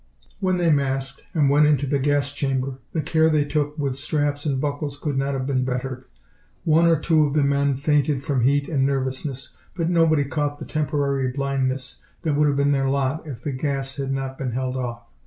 When they masked and went into the gas chamber the care they took with straps and buckles could not have been bettered. One or two of the men fainted from heat and nervousness, but nobody caught the temporary blindness that would have been their lot if the gas had not been held off.